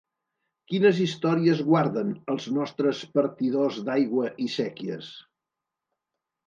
Quines històries guarden els nostres partidors d'aigua i séquies?